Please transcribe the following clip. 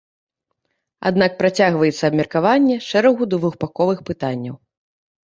Аднак працягнецца абмеркаванне шэрагу двухбаковых пытанняў.